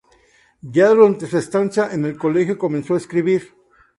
Ya durante su estancia en el colegio comenzó a escribir.